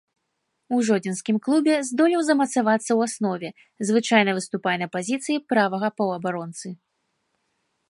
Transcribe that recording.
У жодзінскім клубе здолеў замацавацца ў аснове, звычайна выступае на пазіцыі правага паўабаронцы.